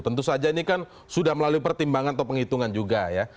tentu saja ini kan sudah melalui pertimbangan atau penghitungan juga ya